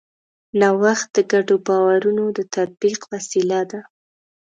نوښت د ګډو باورونو د تطبیق وسیله ده.